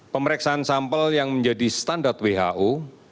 pemeriksaan sampel yang menjadi standar who